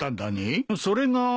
それが。